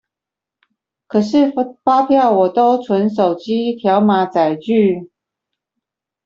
可是發票我都存手機條碼載具